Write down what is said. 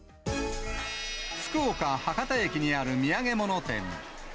福岡・博多駅にある土産物店。